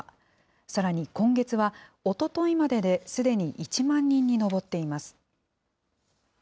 さらに今月は、おとといまでですでに１万人に上っています。